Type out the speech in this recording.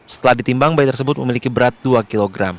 setelah ditimbang bayi tersebut memiliki berat dua kg